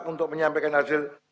untuk menyampaikan hasil